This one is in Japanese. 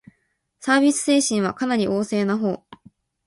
サービス精神はかなり旺盛なほう